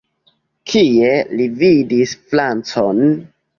Kie li vidis francon?